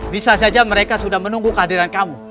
bisa saja mereka sudah menunggu kehadiran kamu